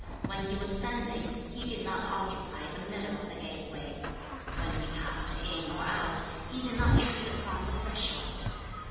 When he was standing, he did not occupy the middle of the gate way; when he passed in or out, he did not tread upon the threshold.